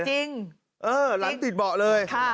จริงเออหลังติดเบาะเลย